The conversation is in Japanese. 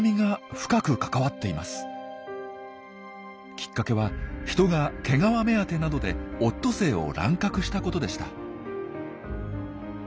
きっかけは人が毛皮目当てなどでオットセイを乱獲したことでした。